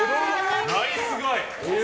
ナイスガイ！